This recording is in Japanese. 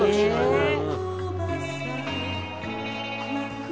ねえ。